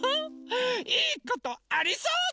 いいことありそうだ！